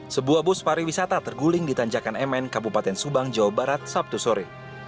sebuah bus pariwisata terguling di tanjakan mn kabupaten subang jawa barat sabtu sore